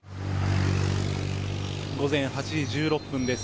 午前８時１６分です。